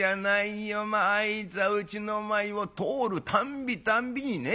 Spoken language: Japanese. まああいつはうちの前を通るたんびたんびにね